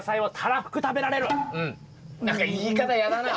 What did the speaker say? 何か言い方やだな。